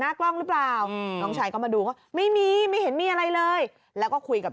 กล้องหรือเปล่าน้องชายก็มาดูเขาไม่มีไม่เห็นมีอะไรเลยแล้วก็คุยกับ